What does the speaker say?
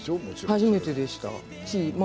初めてでした。